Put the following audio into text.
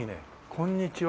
こんにちは。